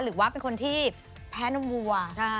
หรือว่าเป็นคนที่แพ้นมวัว